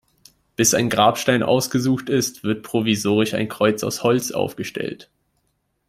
Bis ein Grabstein ausgesucht ist, wird provisorisch ein Kreuz aus Holz aufgestellt.